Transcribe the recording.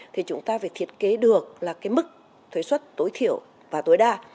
thì chúng ta phải thiết kế được là cái mức thuế xuất tối thiểu và tối đa